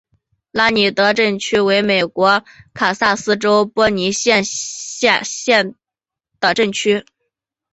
拉尼德镇区为美国堪萨斯州波尼县辖下的镇区。